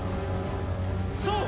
そう！